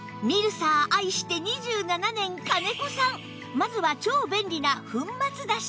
まずは超便利な粉末だし